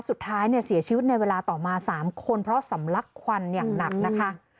สุดท้ายเนี่ยเสียชีวิตในเวลาต่อมา๓คนเพราะสำลักควันอย่างหนักนะคะ